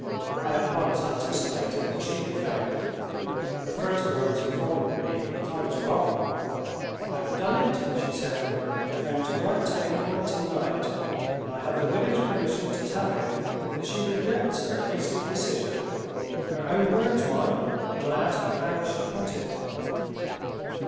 I at once anticipated that she had failed. Her first words informed me that I was wrong. "I've done it," she said. "I am to write to Engelman to night; and I have the widow's permission to tell him that she regrets her hasty decision. Her own words, mind, when I asked her how I should put it!"